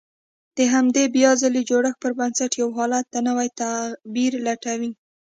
د همدې بيا ځلې جوړښت پر بنسټ يو حالت ته نوی تعبير لټوي.